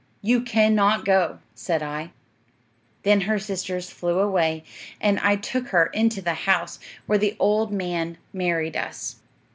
"You cannot go," said I. "'Then her sisters flew away, and I took her into the house, where the old man married us.